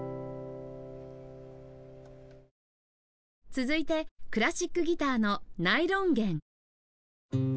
続いてクラシックギターのナイロン弦